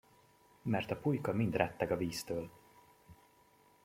Mert a pulyka mind retteg a víztől.